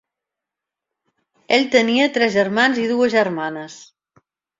Ell tenia tres germans i dues germanes.